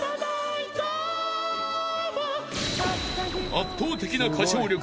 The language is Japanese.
［圧倒的な歌唱力で］